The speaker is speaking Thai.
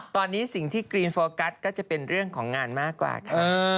ตอนนี้สิ่งที่กรีนโฟกัสก็จะเป็นเรื่องของงานมากกว่าค่ะ